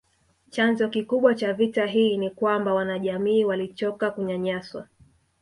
Chanzo kikubwa cha vita hii ni kwamba wanajamii walichoka kunyanyaswa